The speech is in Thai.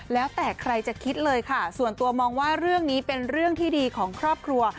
แล้วแต่ใครจะคิดเลยค่ะส่วนตัวมองว่าเรื่องนี้เป็นเรื่องที่ดีของครอบครัว